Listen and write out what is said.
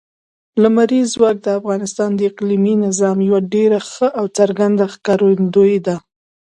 لمریز ځواک د افغانستان د اقلیمي نظام یوه ډېره ښه او څرګنده ښکارندوی ده.